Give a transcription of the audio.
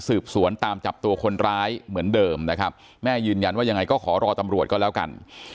สืบสวนตามจับตัวคนร้ายเหมือนเดิมนะครับแม่ยืนยันว่ายังไงก็ขอรอตำรวจก็แล้วกัน